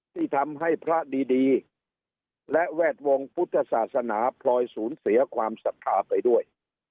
ที่ทำให้พระดีและแวดวงพุทธศาสนาพลอยสูญเสียความศรัทธาไปด้วย